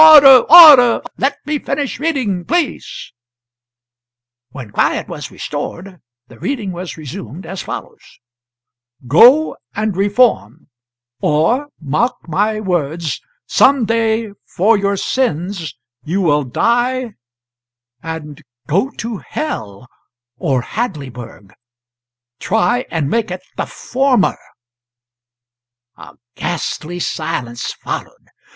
Order! Order! Let me finish reading, please." When quiet was restored, the reading was resumed as follows: "'Go, and reform or, mark my words some day, for your sins you will die and go to hell or Hadleyburg TRY AND MAKE IT THE FORMER.'" A ghastly silence followed.